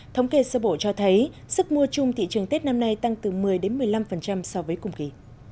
thống kê sơ bộ cho thấy sức mua chung thị trường tết năm nay tăng từ một mươi một mươi năm so với cùng kỳ